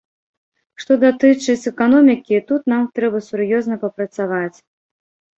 Што датычыць эканомікі, тут нам трэба сур'ёзна папрацаваць.